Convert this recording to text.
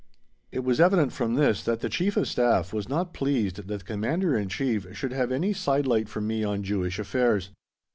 It was evident from this that the Chief of Staff was not pleased that the Commander in Chief should have any sidelight from me on Jewish affairs.